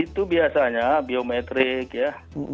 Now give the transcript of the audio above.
itu biasanya biometrik ya